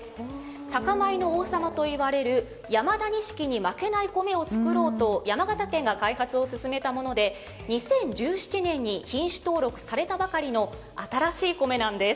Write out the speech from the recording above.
酒米の王様といわれる山田錦に負けない米を作ろうと山形県が開発を進めたもので２０１７年に品種登録されたばかりの新しい米なんです。